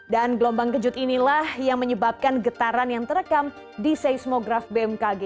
dan gelombang kejut inilah yang menyebabkan getaran yang terekam di seismograf bmkg